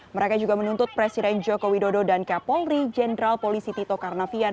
mereka juga menuntut presiden joko widodo dan kapolri jenderal polisi tito karnavian